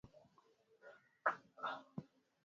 wafanyakazi wa sekta ya afya wanaweza kupata ugonjwa wa ini